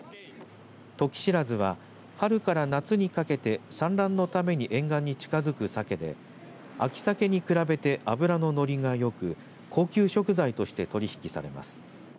トキシラズは春から夏にかけて産卵のために沿岸に近づくサケで秋サケに比べて脂の乗りがよく高級食材として取り引きされます。